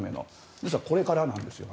だから、これからなんですよ。